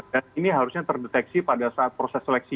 dan ini harusnya terdeteksi pada saat proses seleksi